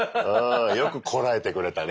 よくこらえてくれたね。